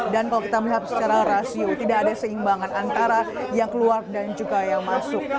dan kalau kita melihat secara rasio tidak ada seimbangan antara yang keluar dan juga yang masuk